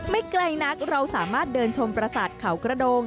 ไม่ไกลนักเราสามารถเดินชมประสาทเขากระโดง